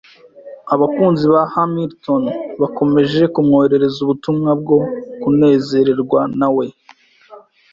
Abakunzi ba Hamilton bakomeje kumwoherereza ubutumwa bwo kunezeranwa na we,